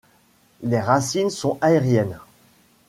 Les racines sont aériennes.